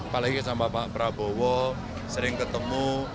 apalagi sama pak prabowo sering ketemu